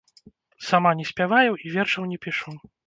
Сама не спяваю і вершаў не пішу.